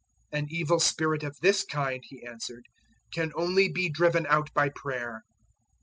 009:029 "An evil spirit of this kind," He answered, "can only be driven out by prayer."